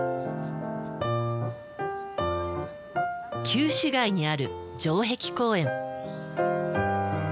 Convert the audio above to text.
旧市街にある城壁公園。